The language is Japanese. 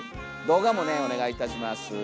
動画もねお願いいたします。